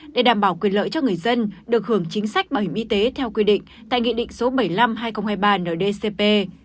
để đảm bảo quyền lợi cho người dân được hưởng chính sách bảo hiểm y tế theo quy định tại nghị định số bảy mươi năm hai nghìn hai mươi ba ndcp